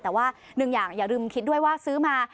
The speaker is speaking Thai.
แต่ว่าหนึ่งอย่างอย่าลืมคิดด้วยว่าซื้อมา